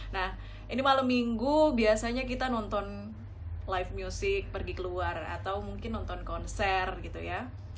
nah ini malam minggu biasanya kita nonton live music pergi keluar atau mungkin nonton konser gitu ya